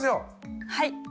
はい。